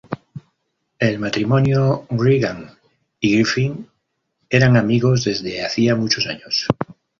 El matrimonio Reagan y Griffin eran amigos desde hacía muchos años.